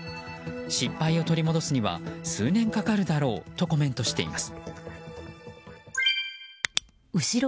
失敗を取り戻すには数年かかるだろうとコメントしています。